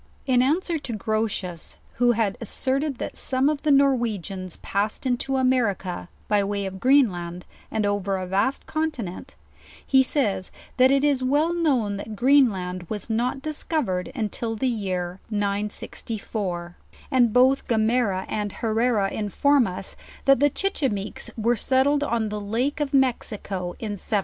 In answer to Grotius, who had asserted that soma of the Norwenians passed into America by way of Green* land, and over a vast continent, he says, that it is well known that Greenland was not discovered till the year 964; and both Gomera and Herrera inform us, that the Chichime ques were settled on the lake of Mexico in 721.